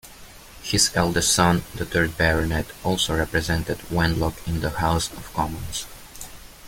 His eldest son, the third Baronet, also represented Wenlock in the House of Commons.